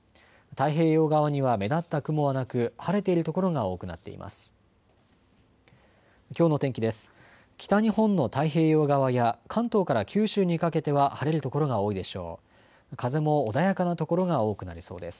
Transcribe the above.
太平洋側には目立った雲はなく晴れている所が多くなっています。